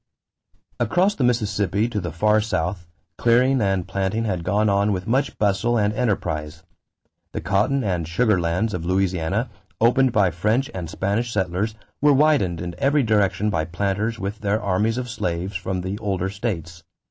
= Across the Mississippi to the far south, clearing and planting had gone on with much bustle and enterprise. The cotton and sugar lands of Louisiana, opened by French and Spanish settlers, were widened in every direction by planters with their armies of slaves from the older states.